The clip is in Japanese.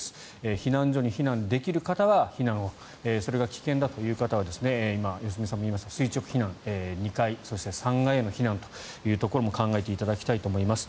避難所に避難できる方は避難をそれが危険だという方は良純さんも言いました垂直避難２階、それから３階への避難も考えていただきたいと思います。